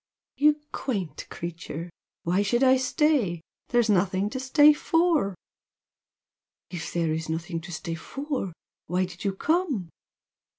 "You quaint creature! Why should I stay? There's nothing to stay for!" "If there's nothing to stay for, why did you come?"